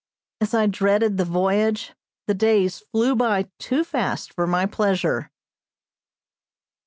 As I dreaded the voyage, the days flew by too fast for my pleasure.